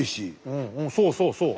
うんうんそうそうそう。